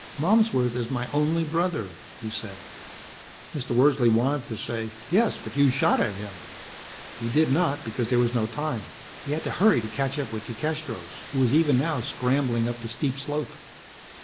"Malmsworth is my only brother," he said. Mr. Wordsley wanted to say, "Yes, but you shot at him." He did not, because there was no time. He had to hurry to catch up with DeCastros, who was even now scrambling up the steep slope.